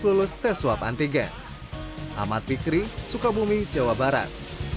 lulus tes swab antigen ahmad fikri sukabumi jawa barat